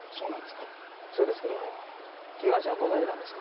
そうですけど被害者をご存じなんですか？